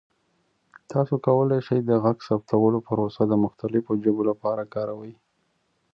تاسو کولی شئ د غږ ثبتولو پروسه د مختلفو ژبو لپاره کاروئ.